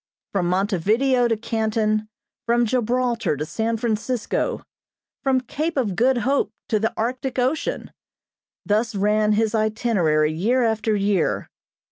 From Montevideo to Canton, from Gibraltar to San Francisco, from Cape of Good Hope to the Arctic Ocean; thus ran his itinerary year after year.